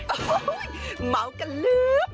โอ้ยหม้ากะลื้ม